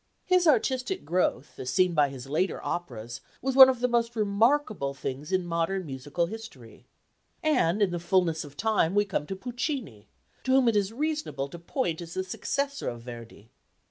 His artistic growth, as seen by his later operas, was one of the most remarkable things in modern musical history. And in the fulness of time we come to Puccini, to whom it is reasonable to point as the successor of Verdi.